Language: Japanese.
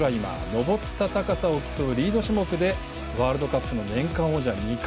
登った高さを競うリード種目でワールドカップの年間王者２回。